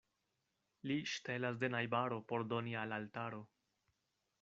Li ŝtelas de najbaro, por doni al altaro.